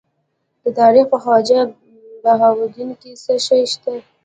د تخار په خواجه بهاوالدین کې څه شی شته؟